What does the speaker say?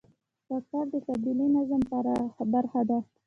کاکړ د قبایلي نظام برخه ده.